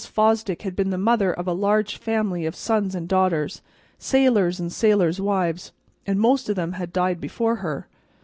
Fosdick had been the mother of a large family of sons and daughters, sailors and sailors' wives, and most of them had died before her.